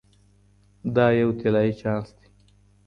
دا یو طلایی چانس دی.